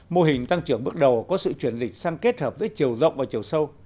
mô hình tăng trưởng bước đầu có sự chuyển dịch sang kết hợp giữa chiều rộng và chiều sâu